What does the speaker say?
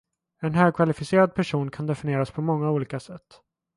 En högkvalificerad person kan definieras på många olika sätt.